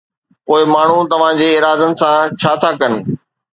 پوءِ ماڻهو توهان جي ارادن سان ڇا ٿا ڪن؟